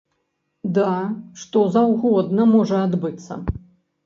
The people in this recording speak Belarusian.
Да, што заўгодна можа адбыцца!